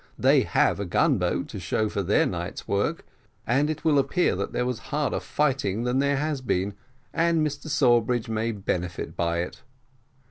they have a gun boat to show for their night's work, and it will appear that there was harder fighting than there has been, and Mr Sawbridge may benefit by it."